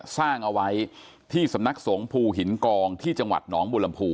สร้างเอาไว้ที่สำนักสงภูหินกองที่จังหวัดหนองบุรมภู